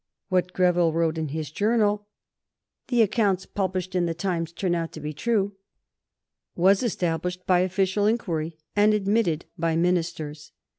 What Greville wrote in his Journal "the accounts published in the Times turn out to be true" was established by official inquiry and admitted by Ministers.